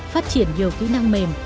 phát triển nhiều kỹ năng mềm